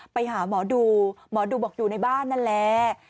ไปหาหมอดูหมอดูบอกอยู่ในบ้านนั่นแหละ